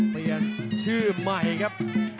เปลี่ยนชื่อใหม่ครับ